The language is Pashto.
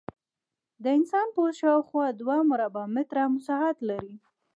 د انسان پوست شاوخوا دوه مربع متره مساحت لري.